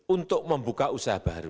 untuk membuka usaha baru